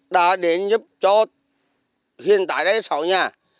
đã đến giúp cho hiện tại đây sáu nhà